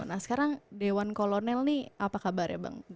nah sekarang dewan kolonel nih apa kabar ya bang